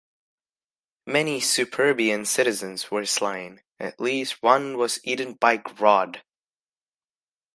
Many Superbian citizens were slain, at least one was eaten by Grodd.